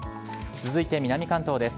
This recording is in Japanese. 続いて南関東です。